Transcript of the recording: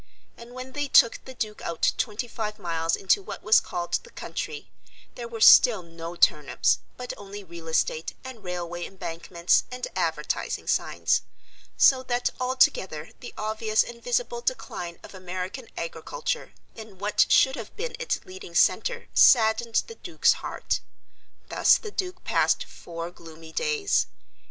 And when they took the Duke out twenty five miles into what was called the country, there were still no turnips, but only real estate, and railway embankments, and advertising signs; so that altogether the obvious and visible decline of American agriculture in what should have been its leading centre saddened the Duke's heart. Thus the Duke passed four gloomy days.